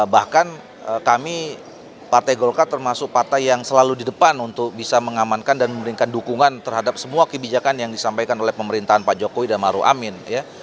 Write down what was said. bahkan kami partai golkar termasuk partai yang selalu di depan untuk bisa mengamankan dan memberikan dukungan terhadap semua kebijakan yang disampaikan oleh pemerintahan pak jokowi dan maru amin ya